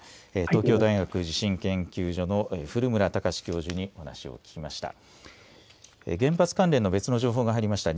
東京大学地震研究所の古村孝志教授にお話を聞きました。